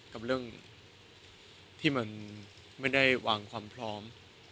กับเรื่องที่มันไม่ได้วางความพร้อม